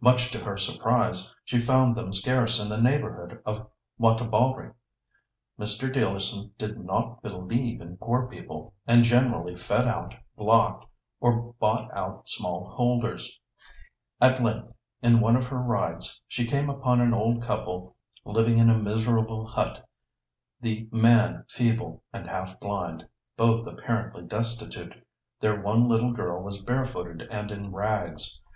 Much to her surprise, she found them scarce in the neighbourhood of Wantabalree. Mr. Dealerson did not 'believe in' poor people, and generally 'fed out,' 'blocked,' or bought out small holders. At length, in one of her rides, she came upon an old couple living in a miserable hut, the man feeble and half blind, both apparently destitute; their one little girl was barefooted and in rags.